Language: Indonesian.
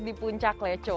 di puncak leco